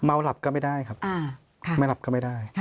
หลับก็ไม่ได้ครับไม่หลับก็ไม่ได้